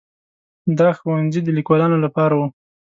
دا ښوونځي د لیکوالانو لپاره وو.